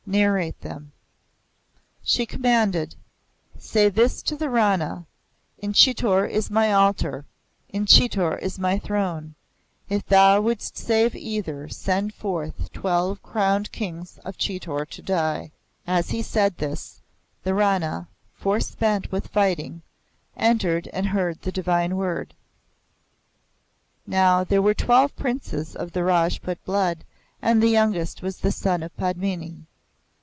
"Narrate them." "She commanded: 'Say this to the Rana: "In Chitor is My altar; in Chitor is thy throne. If thou wouldest save either, send forth twelve crowned Kings of Chitor to die.'" As he said this, the Rana, fore spent with fighting, entered and heard the Divine word. Now there were twelve princes of the Rajput blood, and the youngest was the son of Padmini.